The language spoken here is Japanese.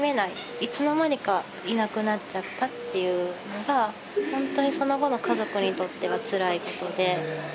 いつの間にかいなくなっちゃったっていうのがほんとにその後の家族にとってはつらいことで。